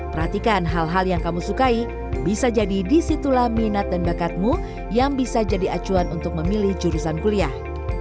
perhatikan hal hal yang kamu sukai bisa jadi disitulah minat dan bakatmu yang bisa jadi acuan untuk memilih jurusan kuliah